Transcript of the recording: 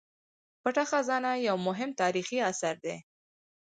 پټه خزانه یو مهم تاریخي اثر دی.